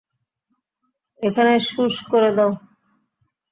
এখানে শূশু করে দাও।